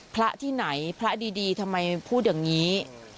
พระที่ไหนพระดีทำไมพูดอย่างนี้